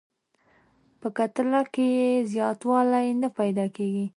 په کتله کې یې زیاتوالی نه پیدا کیږي.